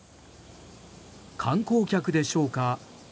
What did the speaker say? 観光客でしょうか。